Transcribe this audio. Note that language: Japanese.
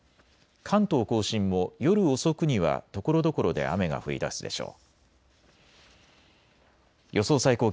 関東甲信も夜遅くにはところどころで雨が降りだすでしょう。